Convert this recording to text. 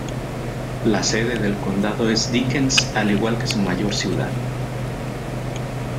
La sede del condado es Dickens, al igual que su mayor ciudad.